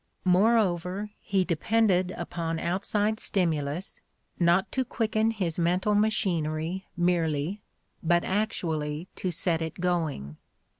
Moreover, he depended upon outside stimulus, not to quicken his mental machinery merely, but actually to set it going.